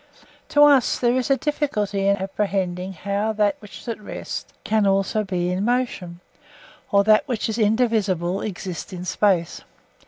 To us there is a difficulty in apprehending how that which is at rest can also be in motion, or that which is indivisible exist in space.